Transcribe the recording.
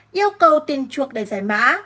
yêu cầu tiền chuộc để giải mã